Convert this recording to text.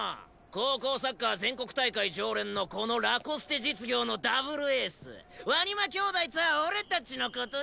高校サッカー全国大会常連のこの羅古捨実業のダブルエース鰐間兄弟とは俺たちの事だ！